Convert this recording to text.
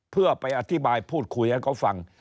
เพื่อไปอธิบายพูดคุยให้เขาฟัง